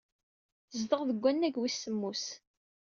Tezdeɣ deg wannag wis semmus.